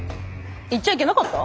言っちゃいけなかった？